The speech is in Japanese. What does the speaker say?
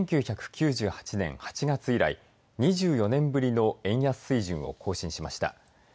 １９９８年８月以来２４年ぶりの円安水準を更新しました。